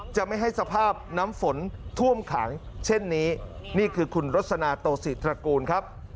จะไม่ให้สภาพน้ำฝนท่วมขังเช่นนี้นี่คือคุณรสนาโตศิตระกูลครับ